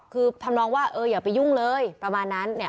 คือทำนองว่าเอออย่าไปยุ่งเลยประมาณนั้นเนี่ย